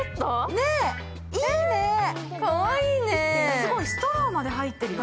すごい、ストローまで入ってるよ